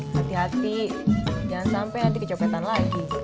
hati hati jangan sampai nanti kecopetan lagi